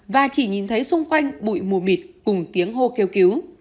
và chỉ nhìn thấy xung quanh bụi mù mịt cùng tiếng hô kêu cứu